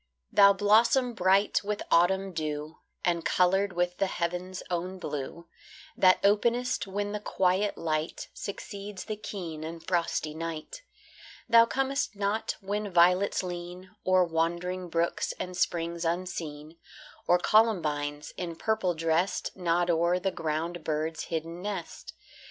Thou blossom bright with autumn dew, And coloured with the heaven's own blue, That openest when the quiet light Succeeds the keen and frosty night. Thou comest not when violets lean O'er wandering brooks and springs unseen, Or columbines, in purple dressed, Nod o'er the ground bird's hidden nest.